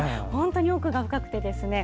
本当に奥が深くて。